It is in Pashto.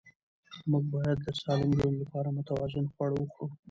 موږ باید د سالم ژوند لپاره متوازن خواړه وخورو